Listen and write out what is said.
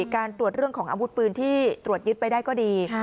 การตรวจเรื่องของอาวุธปืนที่ตรวจยึดไปได้ก็ดี